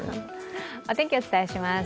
お天気、お伝えします。